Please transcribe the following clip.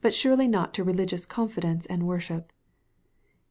surely not to religious confidence and worship."